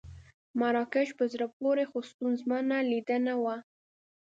مراکش په زړه پورې خو ستونزمنه لیدنه وه.